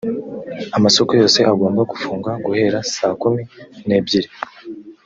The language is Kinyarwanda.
amasoko yose agomba gufugwa guhera sa kumi nebyiri